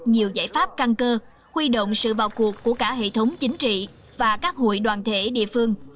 nhiều giải pháp căn cơ huy động sự bào cuộc của cả hệ thống chính trị và các hội đoàn thể địa phương